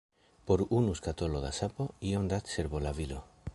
Por unu skatolo da sapo, iom da cerbolavilo.